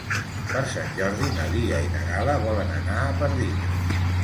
Per Sant Jordi na Lia i na Gal·la volen anar a Pardines.